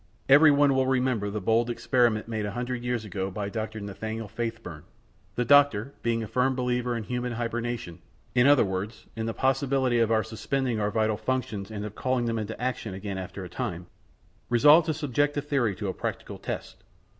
Every one will remember the bold experiment made a hundred years ago by Dr. Nathaniel Faithburn. The doctor, being a firm believer in human hibernation in other words, in the possibility of our suspending our vital functions and of calling them into action again after a time resolved to subject the theory to a practical test.